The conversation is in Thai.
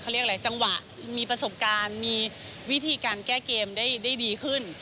ที่มีประสบการณ์มีวิธีการแก้เกมได้ดีขึ้น